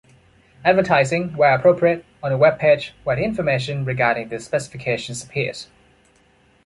Advertising: where appropriate; on the web page, where the information regarding the specifications appears.